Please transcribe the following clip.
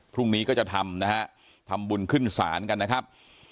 พรุ่งนี้ก็จะทำนะฮะทำบุญขึ้นศาลกันนะครับ